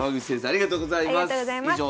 ありがとうございます。